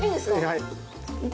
はい。